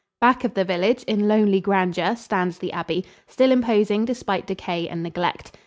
Back of the village, in lonely grandeur, stands the abbey, still imposing despite decay and neglect.